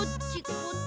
こっち？